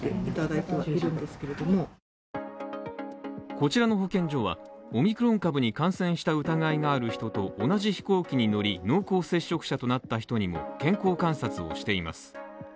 こちらの保健所は、オミクロン株に感染した疑いのある人と同じ飛行機に乗り、濃厚接触者となった人にも健康観察をしています。